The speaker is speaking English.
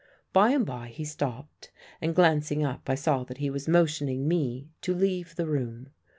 By and by he stopped, and glancing up I saw that he was motioning me to leave the room.